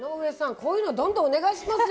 こういうのどんどんお願いしますよ